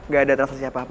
gak ada transaksi apa apa